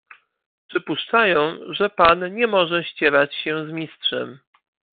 "Przypuszczają, że pan nie może ścierać się z Mistrzem."